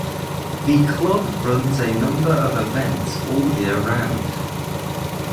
The club runs a number of events all year round.